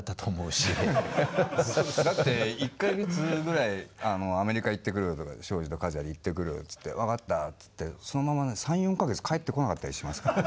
だって１か月ぐらいアメリカ行ってくるとか昭次と和也で行ってくるっつって分かったっつってそのまま３４か月帰ってこなかったりしますから。